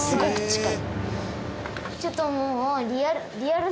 ちょっともうリアル。